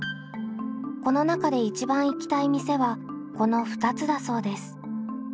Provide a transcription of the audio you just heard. この中で一番行きたい店はこの２つだそうです。